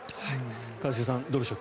一茂さん、どうでしょう。